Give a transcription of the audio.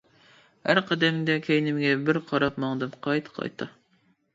ھەر قەدەمدە كەينىمگە بىر، قاراپ ماڭدىم قايتا-قايتا.